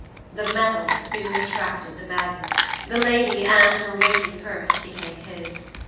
The metal soon attracted the magnet. The lady and her weighty purse became his.